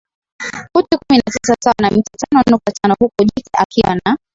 futi kumi na tisa sawa na mita tano nukta tano huku jike akiwa na